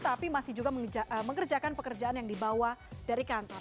tapi masih juga mengerjakan pekerjaan yang dibawa dari kantor